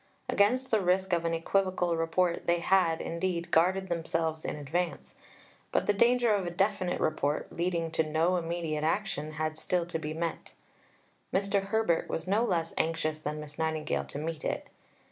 Against the risk of an equivocal Report they had, indeed, guarded themselves in advance; but the danger of a definite Report leading to no immediate action had still to be met. Mr. Herbert was no less anxious than Miss Nightingale to meet it.